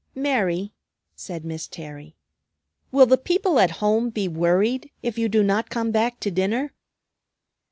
"Mary," said Miss Terry, "will the people at home be worried if you do not come back to dinner?"